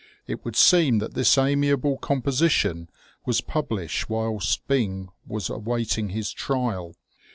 It would seem that this amiable composition was published whilst Byng was awaiting his trial.